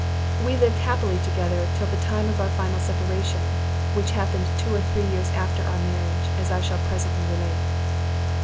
We lived happily together till the time of our final separation, which happened two or three years after our marriage, as I shall presently relate.